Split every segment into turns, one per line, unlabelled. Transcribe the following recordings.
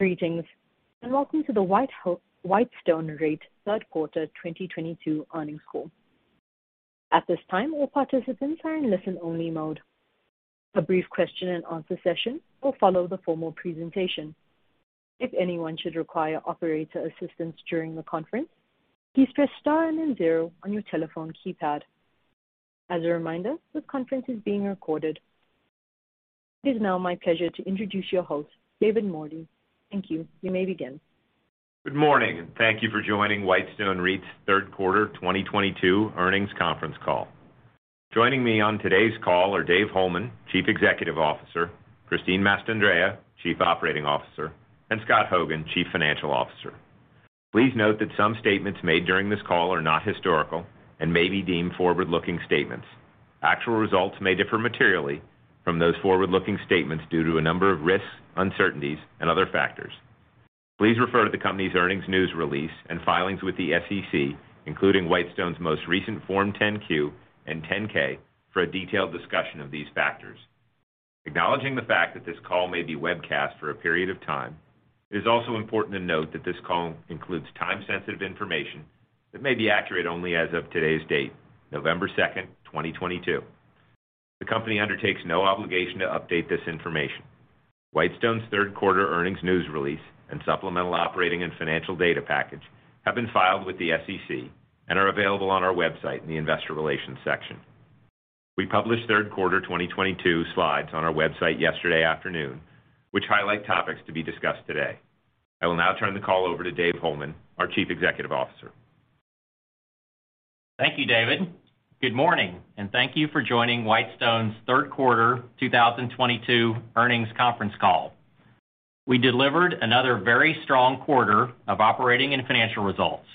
Greetings and welcome to the Whitestone REIT third quarter 2022 earnings call. At this time, all participants are in listen-only mode. A brief question-and-answer session will follow the formal presentation. If anyone should require operator assistance during the conference, please press star and then zero on your telephone keypad. As a reminder, this conference is being recorded. It is now my pleasure to introduce your host, David Mordy. Thank you. You may begin.
Good morning and thank you for joining Whitestone REIT's third quarter 2022 earnings conference call. Joining me on today's call are Dave Holeman, Chief Executive Officer, Christine Mastandrea, Chief Operating Officer, and Scott Hogan, Chief Financial Officer. Please note that some statements made during this call are not historical and may be deemed forward-looking statements. Actual results may differ materially from those forward-looking statements due to a number of risks, uncertainties, and other factors. Please refer to the company's earnings news release and filings with the SEC, including Whitestone's most recent Form 10-Q and Form 10-K for a detailed discussion of these factors. Acknowledging the fact that this call may be webcast for a period of time, it is also important to note that this call includes time-sensitive information that may be accurate only as of today's date, November 2, 2022. The company undertakes no obligation to update this information. Whitestone's third quarter earnings news release and supplemental operating and financial data package have been filed with the SEC and are available on our website in the investor relations section. We published third quarter 2022 slides on our website yesterday afternoon, which highlight topics to be discussed today. I will now turn the call over to Dave Holeman, our Chief Executive Officer.
Thank you David good morning and thank you for joining Whitestone's third quarter 2022 earnings conference call. We delivered another very strong quarter of operating and financial results.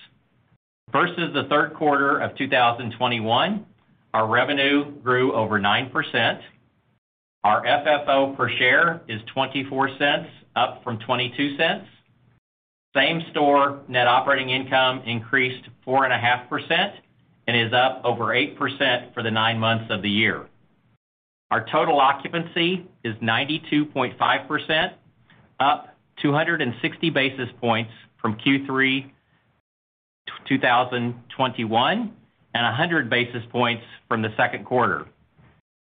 Versus the third quarter of 2021, our revenue grew over 9%. Our FFO per share is $0.24, up from $0.22. Same store net operating income increased 4.5% and is up over 8% for the nine months of the year. Our total occupancy is 92.5%, up 260 basis points from Q3 2021, and 100 basis points from the second quarter.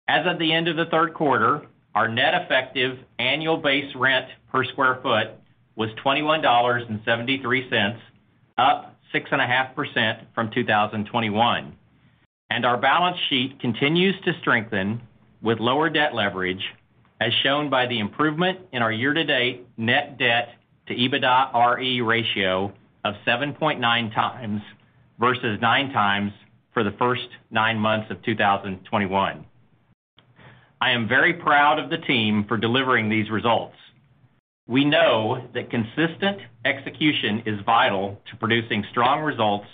As of the end of the third quarter, our net effective annual base rent per square feet was $21.73, up 6.5% from 2021. Our balance sheet continues to strengthen with lower debt leverage, as shown by the improvement in our year-to-date net debt to EBITDAre ratio of 7.9x versus 9x for the first nine months of 2021. I am very proud of the team for delivering these results. We know that consistent execution is vital to producing strong results,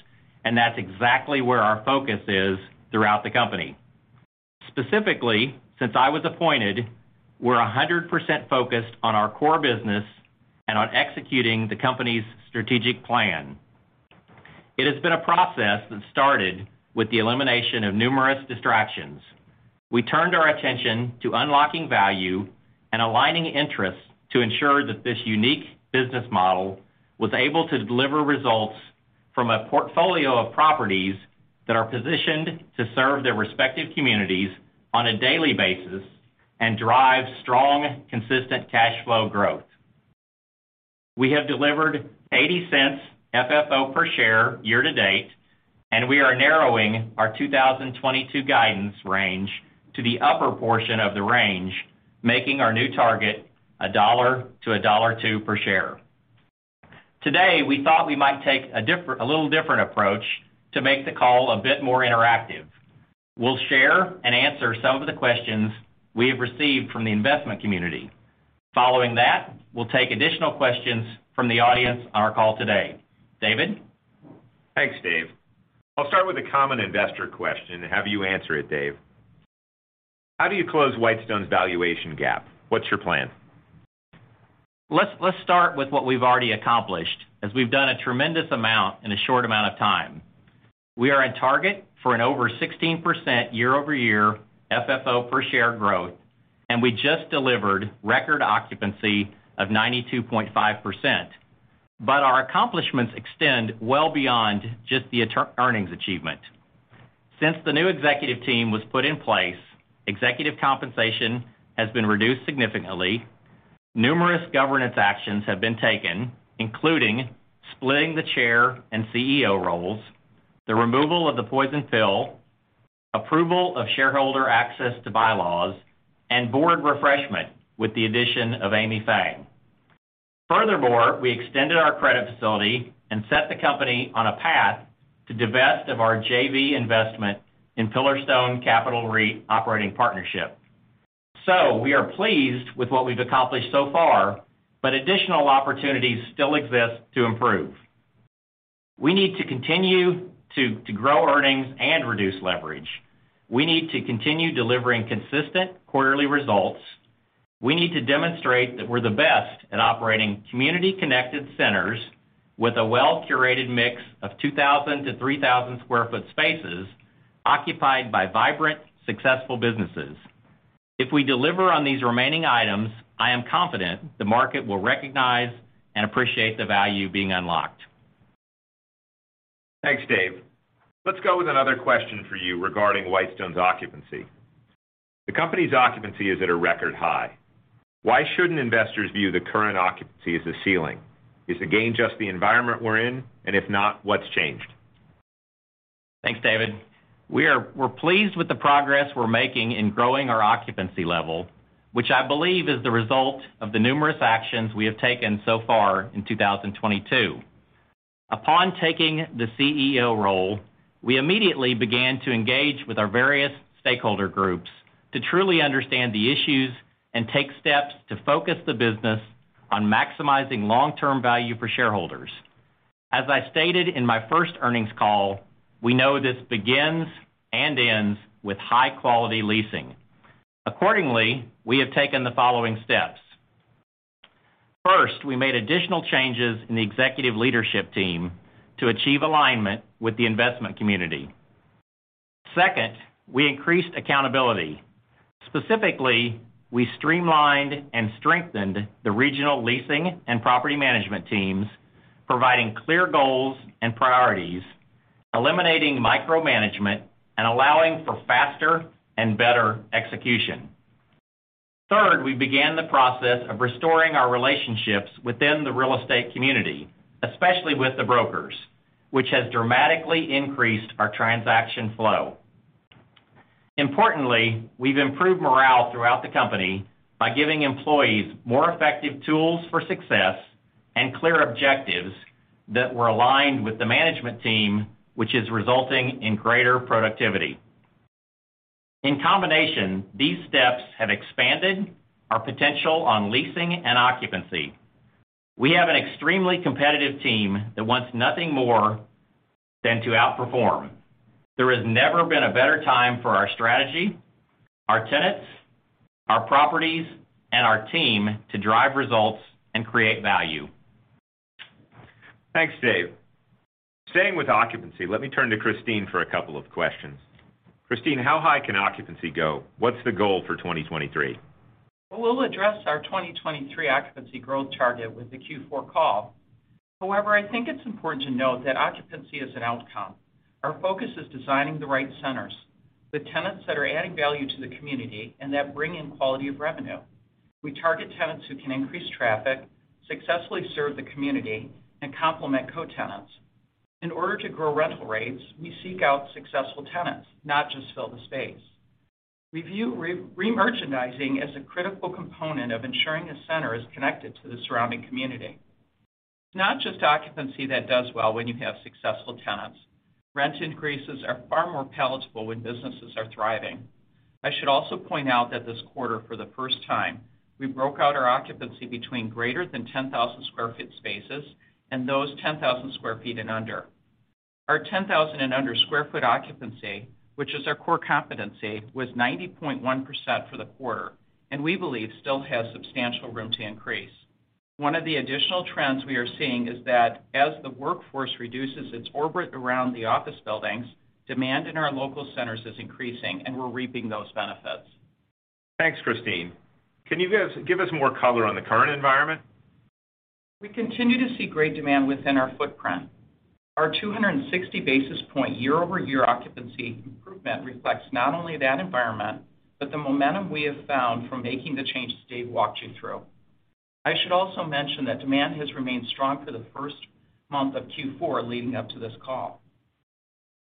and that's exactly where our focus is throughout the company. Specifically, since I was appointed, we're 100% focused on our core business and on executing the company's strategic plan. It has been a process that started with the elimination of numerous distractions. We turned our attention to unlocking value and aligning interests to ensure that this unique business model was able to deliver results from a portfolio of properties that are positioned to serve their respective communities on a daily basis and drive strong, consistent cash flow growth. We have delivered $0.80 FFO per share year to date, and we are narrowing our 2022 guidance range to the upper portion of the range, making our new target $1-$1.02 per share. Today, we thought we might take a little different approach to make the call a bit more interactive. We'll share and answer some of the questions we have received from the investment community. Following that, we'll take additional questions from the audience on our call today. David.
Thanks Dave I'll start with a common investor question and have you answer it, Dave. How do you close Whitestone's valuation gap? What's your plan?
Let's start with what we've already accomplished, as we've done a tremendous amount in a short amount of time. We are at target for over 16% year-over-year FFO per share growth, and we just delivered record occupancy of 92.5%. Our accomplishments extend well beyond just the interim earnings achievement. Since the new executive team was put in place, executive compensation has been reduced significantly. Numerous governance actions have been taken, including splitting the chair and CEO roles, the removal of the poison pill, approval of shareholder access to bylaws, and board refreshment with the addition of Amy Feng. Furthermore, we extended our credit facility and set the company on a path to divest of our JV investment in Pillarstone Capital REIT Operating Partnership. We are pleased with what we've accomplished so far, but additional opportunities still exist to improve. We need to continue to grow earnings and reduce leverage. We need to continue delivering consistent quarterly results. We need to demonstrate that we're the best at operating community-connected centers with a well-curated mix of 2,000-3,000 sq ft spaces occupied by vibrant, successful businesses. If we deliver on these remaining items, I am confident the market will recognize and appreciate the value being unlocked.
Thanks Dave let's go with another question for you regarding Whitestone REIT's occupancy. The company's occupancy is at a record high. Why shouldn't investors view the current occupancy as a ceiling? Is the gain just the environment we're in, and if not, what's changed?
Thanks David we're pleased with the progress we're making in growing our occupancy level, which I believe is the result of the numerous actions we have taken so far in 2022. Upon taking the CEO role, we immediately began to engage with our various stakeholder groups to truly understand the issues and take steps to focus the business on maximizing long-term value for shareholders. As I stated in my first earnings call, we know this begins and ends with high-quality leasing. Accordingly, we have taken the following steps. First, we made additional changes in the executive leadership team to achieve alignment with the investment community. Second, we increased accountability. Specifically, we streamlined and strengthened the regional leasing and property management teams, providing clear goals and priorities, eliminating micromanagement, and allowing for faster and better execution. Third, we began the process of restoring our relationships within the real estate community, especially with the brokers, which has dramatically increased our transaction flow. Importantly, we've improved morale throughout the company by giving employees more effective tools for success and clear objectives that were aligned with the management team, which is resulting in greater productivity. In combination, these steps have expanded our potential on leasing and occupancy. We have an extremely competitive team that wants nothing more than to outperform. There has never been a better time for our strategy, our tenants, our properties, and our team to drive results and create value.
Thanks Dave staying with occupancy let me turn to Christine for a couple of questions. Christine, how high can occupancy go? What's the goal for 2023?
We'll address our 2023 occupancy growth target with the Q4 call. However, I think it's important to note that occupancy is an outcome. Our focus is designing the right centers, the tenants that are adding value to the community and that bring in quality of revenue. We target tenants who can increase traffic, successfully serve the community, and complement co-tenants. In order to grow rental rates, we seek out successful tenants, not just fill the space. We view re-merchandising as a critical component of ensuring the center is connected to the surrounding community. It's not just occupancy that does well when you have successful tenants. Rent increases are far more palatable when businesses are thriving. I should also point out that this quarter, for the first time, we broke out our occupancy between greater than 10,000 sq ft spaces and those 10,000 sq ft and under. Our 10,000 and under square feet occupancy, which is our core competency, was 90.1% for the quarter, and we believe still has substantial room to increase. One of the additional trends we are seeing is that as the workforce reduces its orbit around the office buildings, demand in our local centers is increasing, and we're reaping those benefits.
Thanks Christine can you give us more color on the current environment?
We continue to see great demand within our footprint. Our 260 basis point year-over-year occupancy improvement reflects not only that environment, but the momentum we have found from making the changes Dave walked you through. I should also mention that demand has remained strong for the first month of Q4 leading up to this call.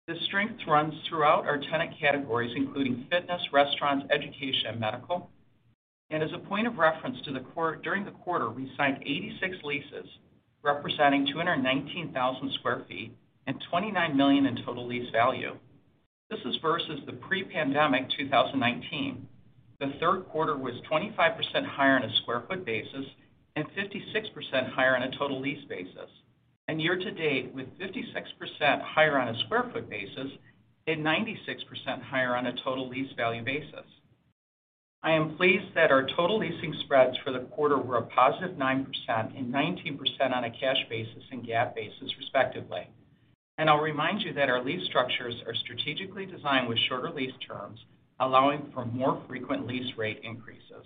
The strength runs throughout our tenant categories, including fitness, restaurants, education, and medical. As a point of reference during the quarter, we signed 86 leases representing 219,000 sq ft and $29 million in total lease value. This is versus the pre-pandemic 2019. The third quarter was 25% higher on a square foot basis and 56% higher on a total lease basis. Year to date with 56% higher on a square feet basis and 96% higher on a total lease value basis. I am pleased that our total leasing spreads for the quarter were a positive 9% and 19% on a cash basis and GAAP basis, respectively. I'll remind you that our lease structures are strategically designed with shorter lease terms, allowing for more frequent lease rate increases.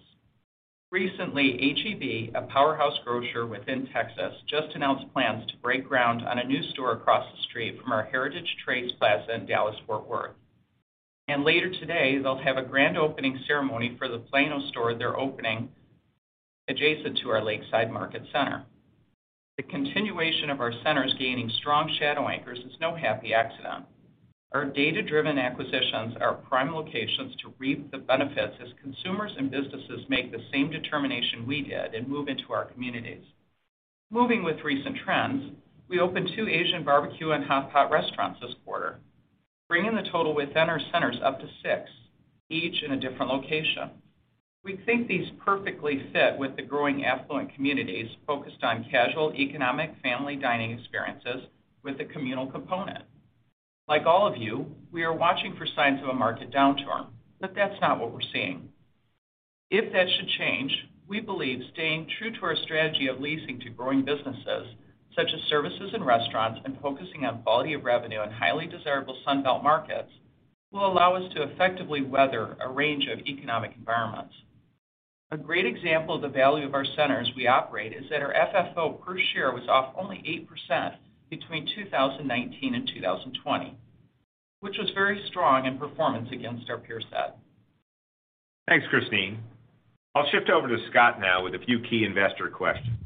Recently, H-E-B, a powerhouse grocer within Texas, just announced plans to break ground on a new store across the street from our Heritage Trace Plaza in Dallas-Fort Worth. Later today, they'll have a grand opening ceremony for the Plano store they're opening adjacent to our Lakeside Market Center. The continuation of our centers gaining strong shadow anchors is no happy accident. Our data-driven acquisitions are prime locations to reap the benefits as consumers and businesses make the same determination we did and move into our communities. Moving with recent trends, we opened two Asian barbecue and hot pot restaurants this quarter, bringing the total within our centers up to six, each in a different location. We think these perfectly fit with the growing affluent communities focused on casual, economic, family dining experiences with a communal component. Like all of you, we are watching for signs of a market downturn, but that's not what we're seeing. If that should change, we believe staying true to our strategy of leasing to growing businesses such as services and restaurants and focusing on quality of revenue in highly desirable Sun Belt markets will allow us to effectively weather a range of economic environments. A great example of the value of our centers we operate is that our FFO per share was off only 8% between 2019 and 2020, which was very strong in performance against our peer set.
Thanks Christine I'll shift over to Scott now with a few key investor questions.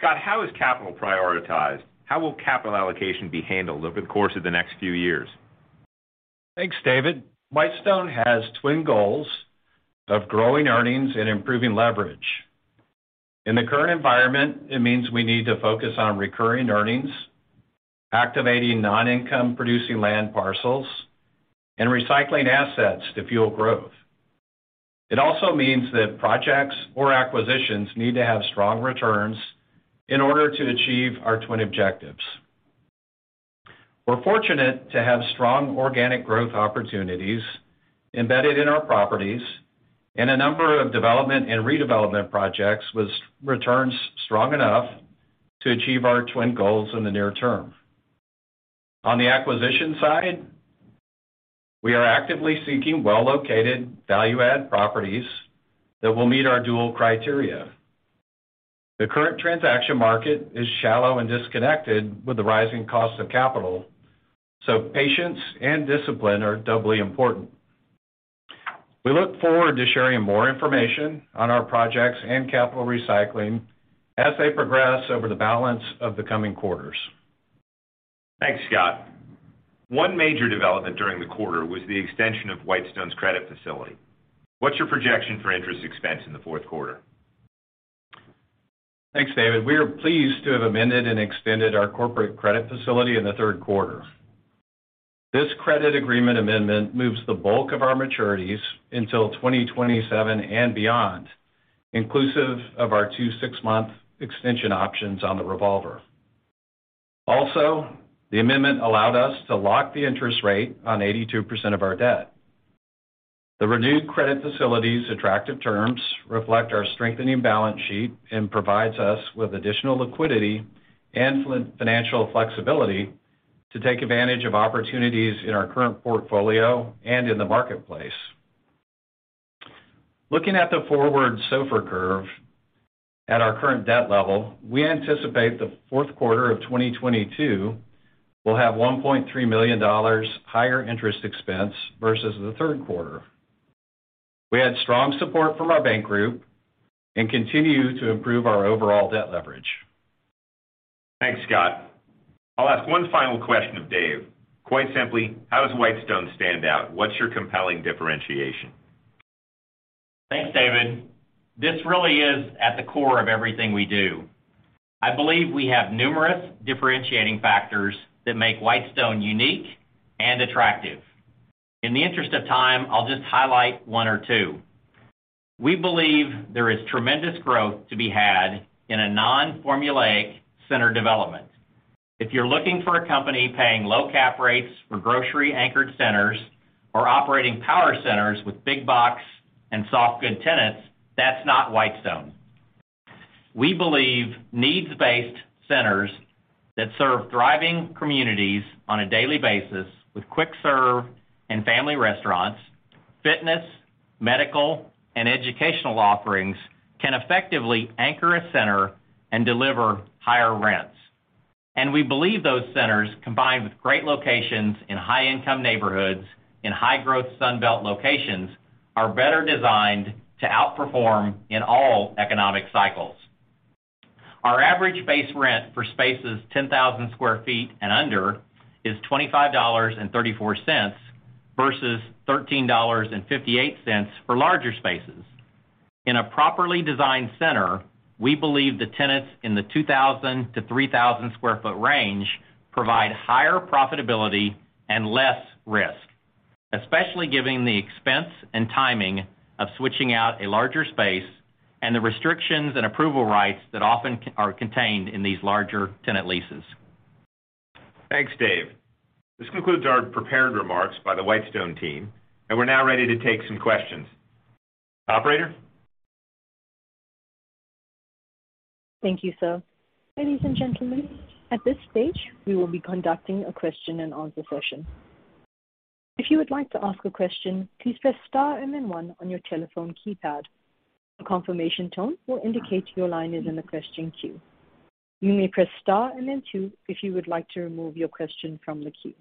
Scott, how is capital prioritized? How will capital allocation be handled over the course of the next few years?
Thanks David Whitestone has twin goals of growing earnings and improving leverage. In the current environment, it means we need to focus on recurring earnings, activating non-income producing land parcels, and recycling assets to fuel growth. It also means that projects or acquisitions need to have strong returns in order to achieve our twin objectives. We're fortunate to have strong organic growth opportunities embedded in our properties and a number of development and redevelopment projects with returns strong enough to achieve our twin goals in the near term. On the acquisition side, we are actively seeking well-located value-add properties that will meet our dual criteria. The current transaction market is shallow and disconnected with the rising cost of capital, so patience and discipline are doubly important. We look forward to sharing more information on our projects and capital recycling as they progress over the balance of the coming quarters.
Thanks Scott one major development during the quarter was the extension of Whitestone's credit facility. What's your projection for interest expense in the fourth quarter?
Thanks David we are pleased to have amended and extended our corporate credit facility in the third quarter. This credit agreement amendment moves the bulk of our maturities until 2027 and beyond, inclusive of our two six-month extension options on the revolver. Also, the amendment allowed us to lock the interest rate on 82% of our debt. The renewed credit facility's attractive terms reflect our strengthening balance sheet and provides us with additional liquidity and financial flexibility to take advantage of opportunities in our current portfolio and in the marketplace. Looking at the forward SOFR curve at our current debt level, we anticipate the fourth quarter of 2022 will have $1.3 million higher interest expense versus the third quarter. We had strong support from our bank group and continue to improve our overall debt leverage.
Thanks Scott I'll ask one final question of Dave. Quite simply how does Whitestone stand out? What's your compelling differentiation?
Thanks David this really is at the core of everything we do. I believe we have numerous differentiating factors that make Whitestone unique and attractive. In the interest of time, I'll just highlight one or two. We believe there is tremendous growth to be had in a non-formulaic center development. If you're looking for a company paying low cap rates for grocery-anchored centers or operating power centers with big box and soft good tenants, that's not Whitestone. We believe needs-based centers that serve thriving communities on a daily basis with quick-serve and family restaurants, fitness, medical, and educational offerings can effectively anchor a center and deliver higher rents. We believe those centers, combined with great locations in high-income neighborhoods in high-growth Sun Belt locations, are better designed to outperform in all economic cycles. Our average base rent for spaces 10,000 sq ft and under is $25.34 versus $13.58 for larger spaces. In a properly designed center, we believe the tenants in the 2,000-3,000 sq ft range provide higher profitability and less risk, especially given the expense and timing of switching out a larger space and the restrictions and approval rights that often are contained in these larger tenant leases.
Thanks Dave this concludes our prepared remarks by the Whitestone team, and we're now ready to take some questions. Operator?
Thank you sir ladies and gentlemen at this stage, we will be conducting a question and answer session. If you would like to ask a question, please press star and then one on your telephone keypad. A confirmation tone will indicate your line is in the question queue. You may press star and then two if you would like to remove your question from the queue.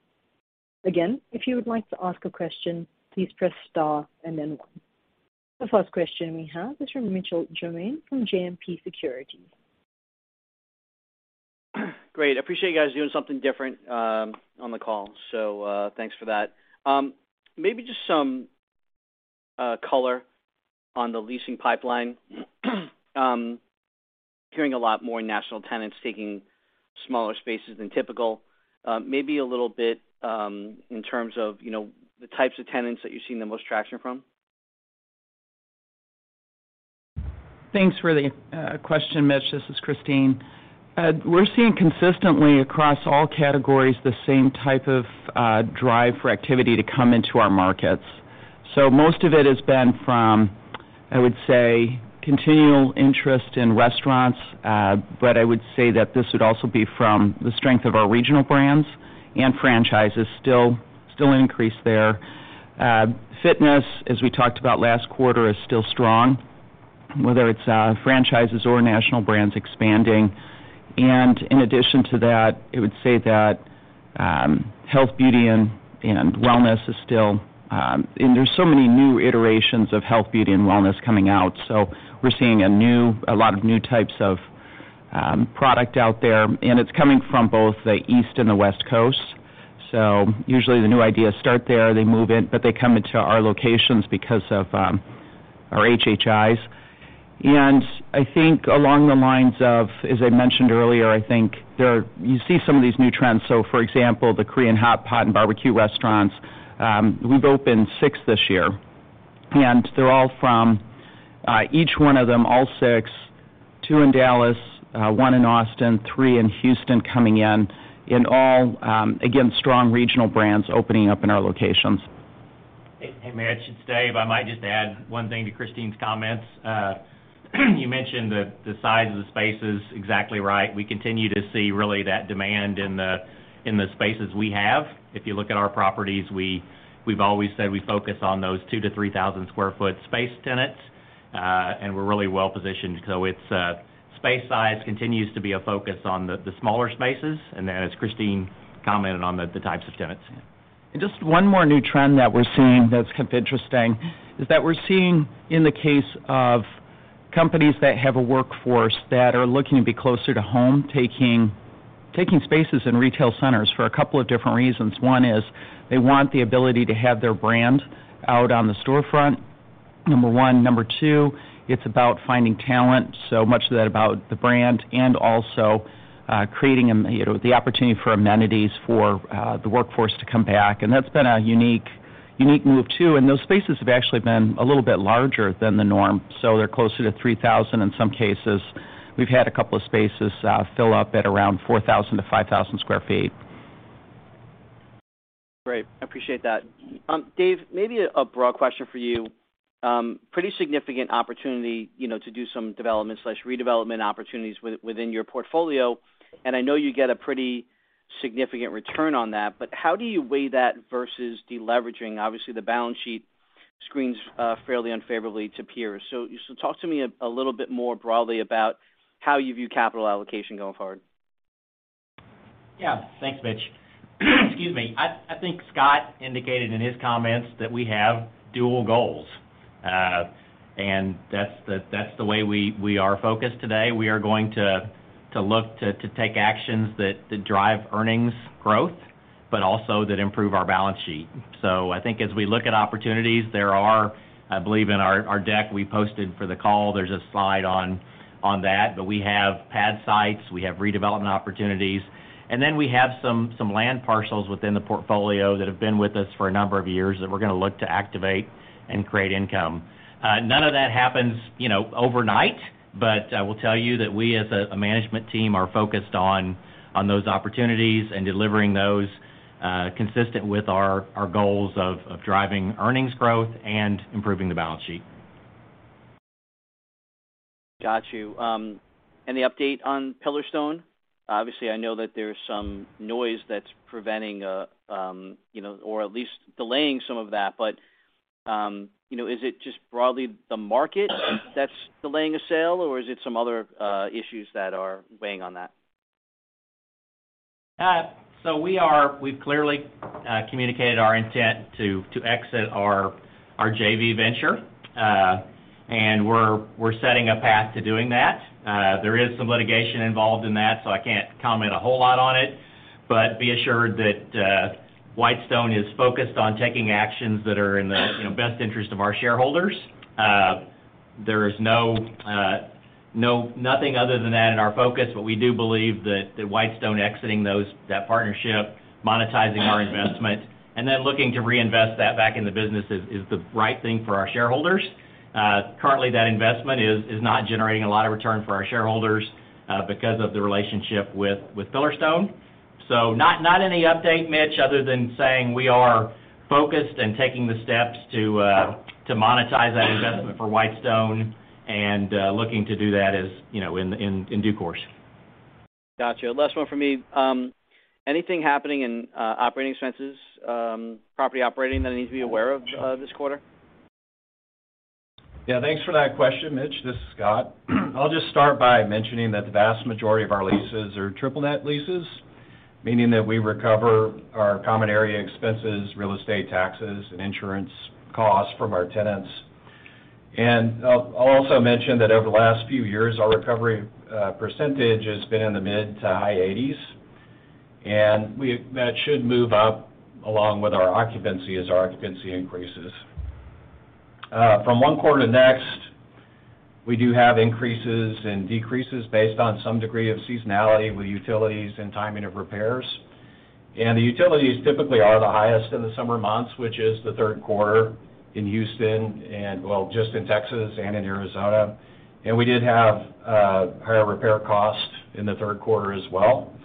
Again, if you would like to ask a question, please press star and then one. The first question we have is from Mitch Germain from JMP Securities.
Great. I appreciate you guys doing something different on the call. Thanks for that. Maybe just some color on the leasing pipeline. Hearing a lot more national tenants taking smaller spaces than typical. Maybe a little bit in terms of, you know, the types of tenants that you're seeing the most traction from.
Thanks for the question Mitch this is Christine we're seeing consistently across all categories the same type of drive for activity to come into our markets. Most of it has been from, I would say, continual interest in restaurants. But I would say that this would also be from the strength of our regional brands and franchises still increase there. Fitness, as we talked about last quarter, is still strong, whether it's franchises or national brands expanding. In addition to that, I would say that health, beauty and wellness is still, and there's so many new iterations of health, beauty, and wellness coming out. We're seeing a lot of new types of product out there, and it's coming from both the East and the West Coasts. Usually the new ideas start there they move in but they come into our locations because of our HHI. I think along the lines of, as I mentioned earlier, you see some of these new trends. For example, the Korean hot pot and barbecue restaurants, we've opened six this year. They're all from, each one of them, all six, two in Dallas, one in Austin, three in Houston coming in all, again, strong regional brands opening up in our locations.
Hey Mitch it's Dave I might just add one thing to Christine's comments. You mentioned the size of the space is exactly right. We continue to see really that demand in the spaces we have. If you look at our properties, we've always said we focus on those 2,000-3,000 sq ft space tenants, and we're really well-positioned. Space size continues to be a focus on the smaller spaces, and then as Christine commented on the types of tenants.
Just one more new trend that we're seeing that's kind of interesting is that we're seeing in the case of companies that have a workforce that are looking to be closer to home, taking spaces in retail centers for a couple of different reasons. One is they want the ability to have their brand out on the storefront, number one. Number two, it's about finding talent, so much of that about the brand and also creating, you know, the opportunity for amenities for the workforce to come back. That's been a unique move too, and those spaces have actually been a little bit larger than the norm. They're closer to 3,000, in some cases. We've had a couple of spaces fill up at around 4,000-5,000 sq ft.
Great. I appreciate that. Dave, maybe a broad question for you. Pretty significant opportunity, you know, to do some development/redevelopment opportunities within your portfolio, and I know you get a pretty significant return on that. But how do you weigh that versus deleveraging? Obviously, the balance sheet screens fairly unfavorably to peers. Talk to me a little bit more broadly about how you view capital allocation going forward.
Yeah thanks Mitch excuse me I think Scott indicated in his comments that we have dual goals, and that's the way we are focused today. We are going to look to take actions that drive earnings growth, but also that improve our balance sheet. I think as we look at opportunities, there are, I believe in our deck we posted for the call, there's a slide on that, but we have pad sites, we have redevelopment opportunities, and then we have some land parcels within the portfolio that have been with us for a number of years that we're gonna look to activate and create income. None of that happens, you know, overnight, but I will tell you that we, as a management team, are focused on those opportunities and delivering those consistent with our goals of driving earnings growth and improving the balance sheet.
Got you. Any update on Pillarstone? Obviously, I know that there's some noise that's preventing, or at least delaying some of that. You know, is it just broadly the market that's delaying a sale, or is it some other issues that are weighing on that?
We've clearly communicated our intent to exit our JV venture, and we're setting a path to doing that. There is some litigation involved in that, so I can't comment a whole lot on it. Be assured that Whitestone is focused on taking actions that are in the, you know, best interest of our shareholders. There is nothing other than that in our focus. We do believe that Whitestone exiting that partnership, monetizing our investment, and then looking to reinvest that back in the business is the right thing for our shareholders. Currently, that investment is not generating a lot of return for our shareholders, because of the relationship with Pillarstone. Not any update, Mitch, other than saying we are focused and taking the steps to monetize that investment for Whitestone and looking to do that as, you know, in due course.
Gotcha. Last one from me. Anything happening in operating expenses, property operating that I need to be aware of this quarter?
Yeah thanks for that question Mitch this is Scott I'll just start by mentioning that the vast majority of our leases are triple-net leases, meaning that we recover our common area expenses, real estate taxes, and insurance costs from our tenants. I'll also mention that over the last few years, our recovery percentage has been in the mid- to high 80s. That should move up along with our occupancy as our occupancy increases. From one quarter to next, we do have increases and decreases based on some degree of seasonality with utilities and timing of repairs. The utilities typically are the highest in the summer months, which is the third quarter in Houston and, well, just in Texas and in Arizona. We did have higher repair costs in the third quarter as well.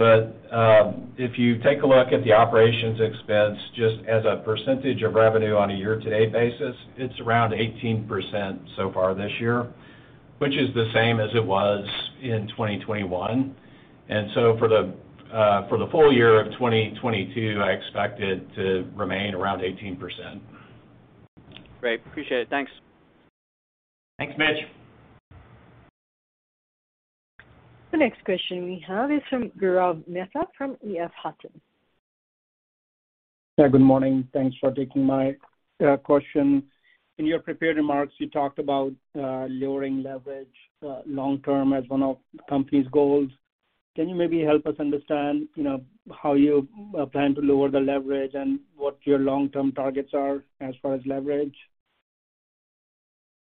If you take a look at the operations expense, just as a percentage of revenue on a year-to-date basis, it's around 18% so far this year, which is the same as it was in 2021. For the full year of 2022, I expect it to remain around 18%.
Great. Appreciate it. Thanks.
Thanks, Mitch.
The next question we have is from Gaurav Mehta from EF Hutton.
Yeah good morning thanks for taking my question. In your prepared remarks, you talked about lowering leverage long term as one of the company's goals. Can you maybe help us understand, you know, how you plan to lower the leverage and what your long-term targets are as far as leverage?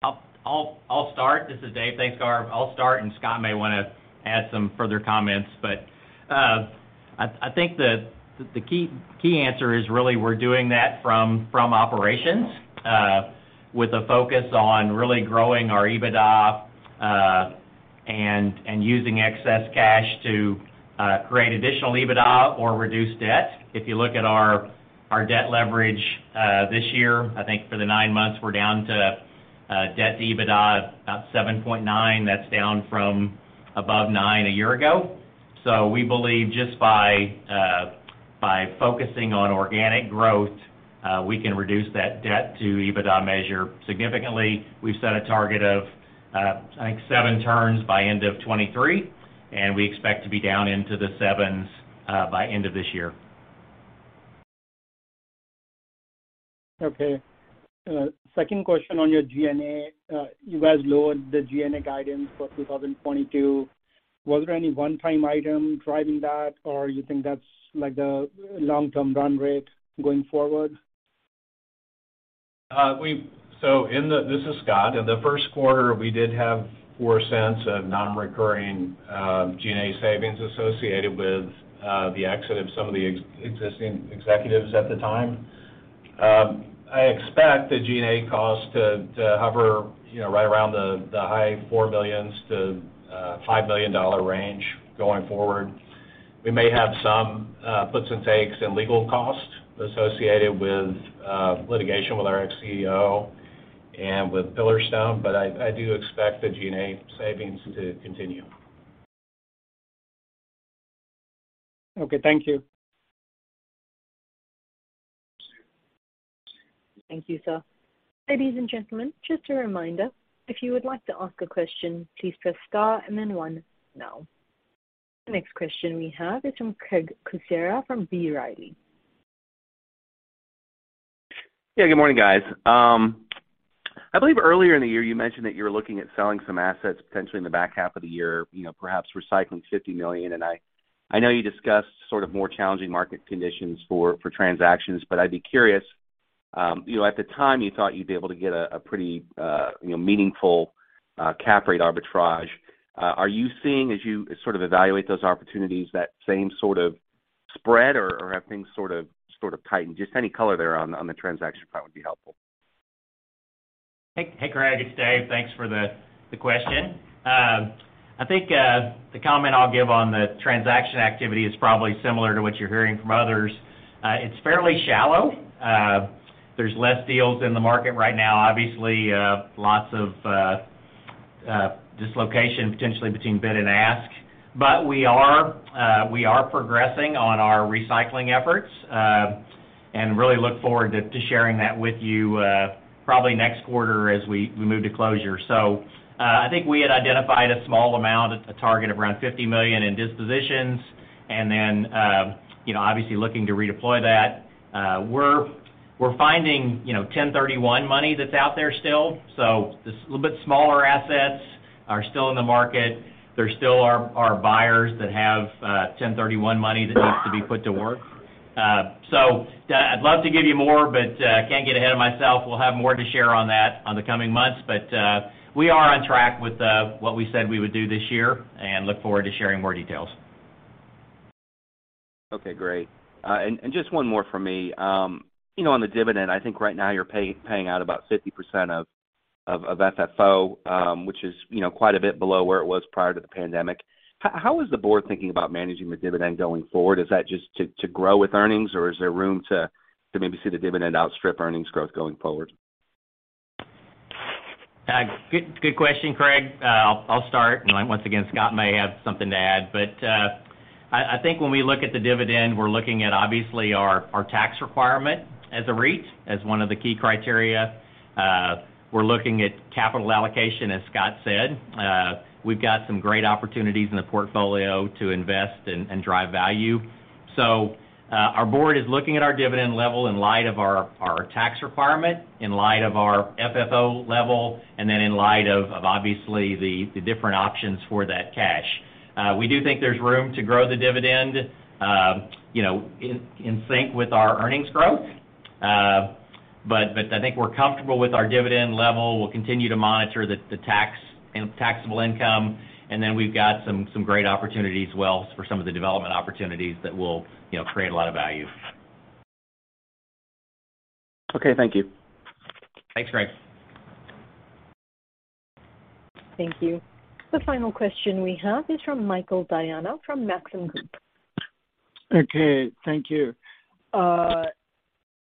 I'll start this is Dave thanks Gaurav. I'll start, and Scott may want to add some further comments. I think the key answer is really we're doing that from operations, with a focus on really growing our EBITDA, and using excess cash to create additional EBITDA or reduce debt. If you look at our debt leverage, this year, I think for the nine months, we're down to debt to EBITDA of about 7.9. That's down from above nine a year ago. We believe just by focusing on organic growth, we can reduce that debt to EBITDA measure significantly. We've set a target of, I think seven turns by end of 2023, and we expect to be down into the sevens, by end of this year.
Okay. Second question on your G&A. You guys lowered the G&A guidance for 2022. Was there any one-time item driving that, or you think that's like the long-term run rate going forward?
This is Scott in the first quarter we did have $0.04 of non-recurring G&A savings associated with the exit of some of the existing executives at the time. I expect the G&A cost to hover, you know, right around the high $4 million to $5 million range going forward. We may have some puts and takes in legal costs associated with litigation with our ex-CEO and with Pillarstone, but I do expect the G&A savings to continue.
Okay, thank you.
Thank you sir ladies and gentlemen just a reminder, if you would like to ask a question please press star and then one now. The next question we have is from Craig Kucera from B. Riley.
Yeah good morning guys. I believe earlier in the year, you mentioned that you were looking at selling some assets potentially in the back half of the year, you know, perhaps recycling $50 million. I know you discussed sort of more challenging market conditions for transactions, but I'd be curious, you know, at the time you thought you'd be able to get a pretty, you know, meaningful cap rate arbitrage. Are you seeing as you sort of evaluate those opportunities that same sort of spread or have things sort of tightened? Just any color there on the transaction front would be helpful.
Hey Craig it's Dave Thanks for the question. I think the comment I'll give on the transaction activity is probably similar to what you're hearing from others. It's fairly shallow. There's less deals in the market right now. Obviously, lots of dislocation potentially between bid and ask. We are progressing on our recycling efforts, and really look forward to sharing that with you, probably next quarter as we move to closure. I think we had identified a small amount, a target of around $50 million in dispositions, and then, you know, obviously looking to redeploy that. We're finding, you know, 1031 exchange money that's out there still. Just a little bit smaller assets are still in the market. There still are buyers that have 1031 exchange money that needs to be put to work. So, I'd love to give you more, but can't get ahead of myself. We'll have more to share on that on the coming months. We are on track with what we said we would do this year and look forward to sharing more details.
Okay, great. And just one more for me. You know, on the dividend, I think right now you're paying out about 50% of FFO, which is, you know, quite a bit below where it was prior to the pandemic. How is the board thinking about managing the dividend going forward? Is that just to grow with earnings, or is there room to maybe see the dividend outstrip earnings growth going forward?
Good question Craig I'll start. Once again, Scott may have something to add. I think when we look at the dividend, we're looking at obviously our tax requirement as a REIT, as one of the key criteria. We're looking at capital allocation, as Scott said. We've got some great opportunities in the portfolio to invest and drive value. Our board is looking at our dividend level in light of our tax requirement, in light of our FFO level, and then in light of obviously the different options for that cash. We do think there's room to grow the dividend, you know, in sync with our earnings growth. But I think we're comfortable with our dividend level. We'll continue to monitor the tax and taxable income, and then we've got some great opportunities as well for some of the development opportunities that will, you know, create a lot of value.
Okay thank you.
Thanks Craig.
Thank you. The final question we have is from Michael Diana from Maxim Group.
Okay thank you.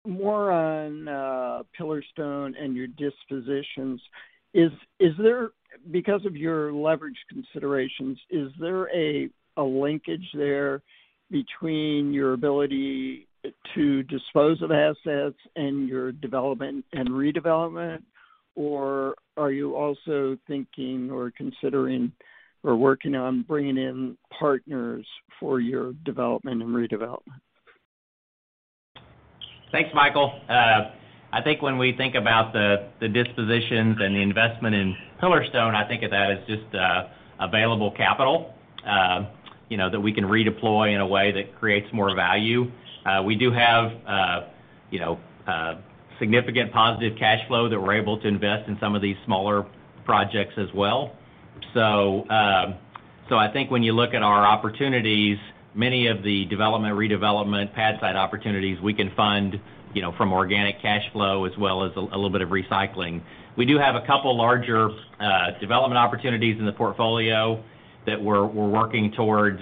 More on Pillarstone and your dispositions. Because of your leverage considerations, is there a linkage there between your ability to dispose of assets and your development and redevelopment, or are you also thinking or considering or working on bringing in partners for your development and redevelopment?
Thanks Michael I think when we think about the dispositions and the investment in Pillarstone, I think of that as just available capital, you know, that we can redeploy in a way that creates more value. We do have, you know, significant positive cash flow that we're able to invest in some of these smaller projects as well. I think when you look at our opportunities, many of the development, redevelopment pad side opportunities we can fund, you know, from organic cash flow as well as a little bit of recycling. We do have a couple larger development opportunities in the portfolio that we're working towards,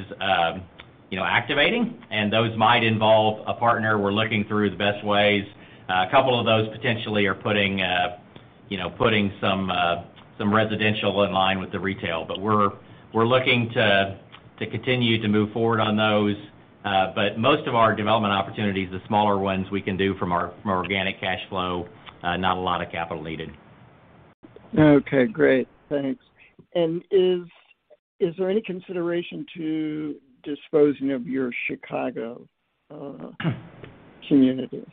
you know, activating, and those might involve a partner. We're looking through the best ways. A couple of those potentially are, you know, putting some residential in line with the retail. We're looking to continue to move forward on those. Most of our development opportunities, the smaller ones we can do from our organic cash flow, not a lot of capital needed.
Okay, great. Thanks. Is there any consideration to disposing of your Chicago communities?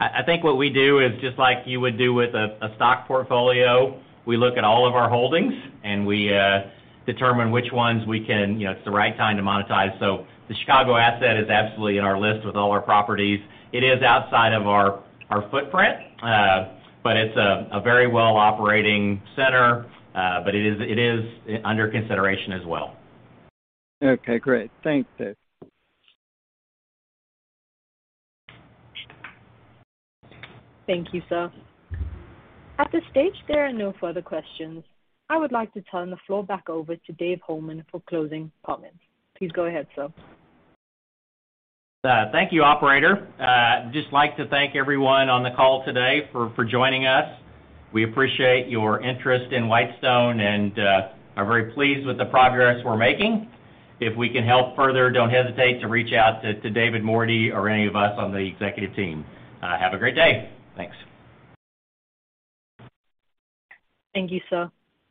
I think what we do is just like you would do with a stock portfolio. We look at all of our holdings, and we determine which ones we can, you know, it's the right time to monetize. The Chicago asset is absolutely in our list with all our properties. It is outside of our footprint, but it's a very well operating center, but it is under consideration as well.
Okay, great thanks Dave.
Thank you sir. At this stage there are no further questions. I would like to turn the floor back over to Dave Holeman for closing comments. Please go ahead, sir.
Thank you Operator. Just like to thank everyone on the call today for joining us. We appreciate your interest in Whitestone and are very pleased with the progress we're making. If we can help further, don't hesitate to reach out to David Mordy or any of us on the executive team. Have a great day. Thanks.
Thank you sir.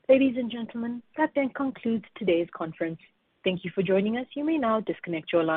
Ladies and gentlemen, that then concludes today's conference. Thank you for joining us. You may now disconnect your line.